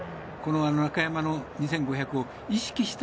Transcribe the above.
中山の２５００を意識した